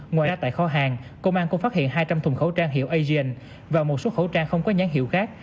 ngoài ra tại kho hàng công an cũng phát hiện hai trăm linh thùng khẩu trang hiệu asian và một số khẩu trang không có nhãn hiệu khác